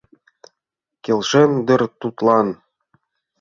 — Келшен дыр тудлан!